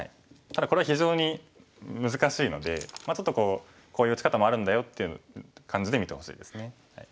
ただこれは非常に難しいのでちょっとこうこういう打ち方もあるんだよっていう感じで見てほしいですね。